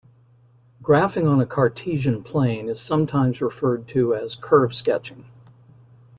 Graphing on a Cartesian plane is sometimes referred to as "curve sketching".